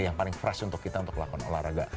yang paling fresh untuk kita untuk lakukan olahraga